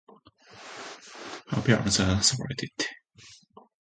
Her parents are separated.